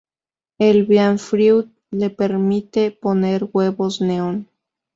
El "Bean Fruit" le permite poner huevos Neón.